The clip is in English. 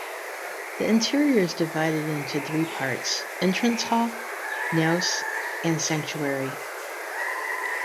The interior is divided into three parts: entrance hall, naos, and sanctuary.